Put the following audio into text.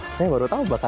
wah saya baru tau bahkan